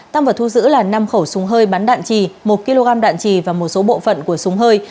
tăng vật thu giữ là năm khẩu súng hơi bắn đạn trì một kg đạn trì và một số bộ phận của súng hơi